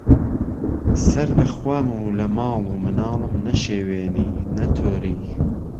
سهر له خوهم و له ماڵو مناڵم نهشێوێنی، نهتۆری